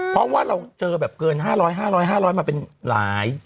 เพราะว่าเราเจอแบบเกิน๕๐๐๕๐๐๕๐๐มาเป็นหลาย